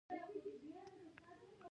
• لور د نیکمرغۍ راز دی.